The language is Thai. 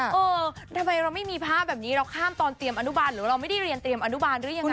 เออทำไมเราไม่มีภาพแบบนี้เราข้ามตอนเตรียมอนุบาลหรือว่าเราไม่ได้เรียนเตรียมอนุบาลหรือยังไง